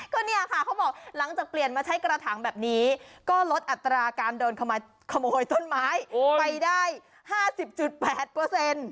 ก็เนี่ยค่ะเขาบอกหลังจากเปลี่ยนมาใช้กระถางแบบนี้ก็ลดอัตราการโดนขโมยต้นไม้ไปได้๕๐๘เปอร์เซ็นต์